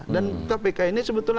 dan kpk ini sebetulnya